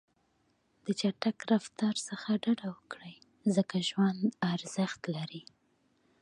د چټک رفتار څخه ډډه وکړئ، ځکه ژوند ارزښت لري.